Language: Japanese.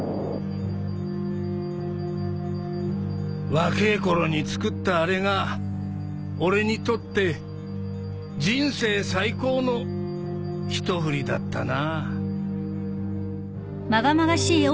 若えころに作ったあれが俺にとって人生最高の一振りだったな